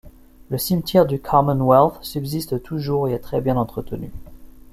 Le cimetière du commonwealth subsiste toujours et est très bien entretenu.